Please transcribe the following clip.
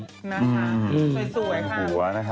สวยสวยค่ะ